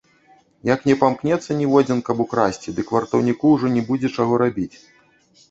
Як не памкнецца ніводзін, каб украсці, дык вартаўніку ўжо не будзе чаго рабіць.